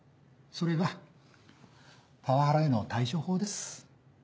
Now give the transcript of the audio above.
それがパワハラへの対処法です。